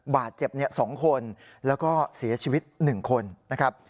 บาดเจ็บ๒คนแล้วก็เสียชีวิต๑คนนะครับ